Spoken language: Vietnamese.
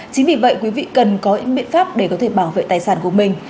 chính vì vậy quý vị cần có những biện pháp để có thể bảo vệ tài sản của mình